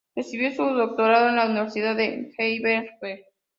Recibió su doctorado en la Universidad de Heidelberg.